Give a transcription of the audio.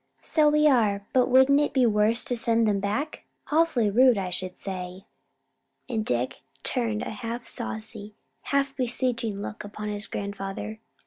"So we are; but wouldn't it be worse to send 'em back? Awful rude, I should say." And Dick turned a half saucy, half beseeching look upon his grandfather.